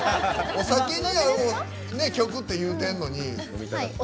お酒に合う曲って言ってるのに。